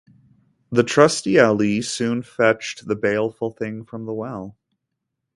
The trusty Ali soon fetched the baleful thing from the well.